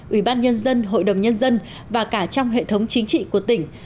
ủy ban nhân dân hội đồng nhân dân và cả trong hệ thống chính trị của tỉnh